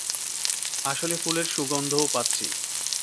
আসলে ফুলের সুগন্ধও পাচ্ছি।